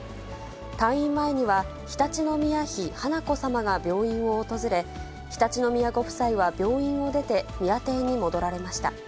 退院前には、常陸宮妃華子さまが病院を訪れ、常陸宮ご夫妻は病院を出て、宮邸に戻られました。